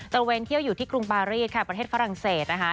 ระเวนเที่ยวอยู่ที่กรุงปารีสค่ะประเทศฝรั่งเศสนะคะ